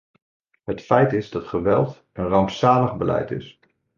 Het feit is dat geweld een rampzalig beleid is.